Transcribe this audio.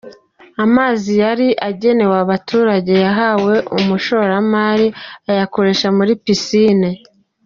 Amazi yari agenewe abaturage yahawe umushoramari ayakoresha muri pisine